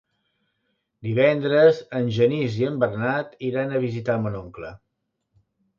Divendres en Genís i en Bernat iran a visitar mon oncle.